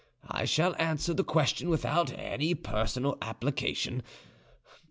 I shall answer the question without any personal application.